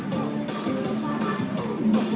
ตรงตรงตรงตรง